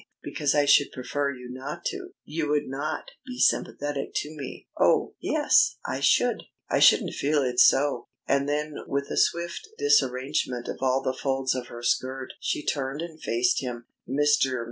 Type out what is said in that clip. "Because I should prefer you not to. You would not be sympathetic to me." "Oh, yes, I should." "I shouldn't feel it so." And then with a swift disarrangement of all the folds of her skirt she turned and faced him. "Mr.